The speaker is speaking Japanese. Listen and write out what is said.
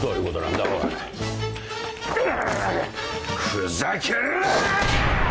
ふざけるな！！